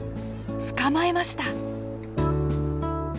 捕まえました。